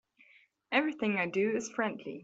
Everything I do is friendly.